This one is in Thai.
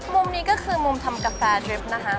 มุมนี้ก็คือมุมทำกาแฟทริปนะคะ